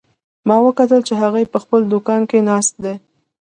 ما وکتل چې هغه په خپل دوکان کې ناست ده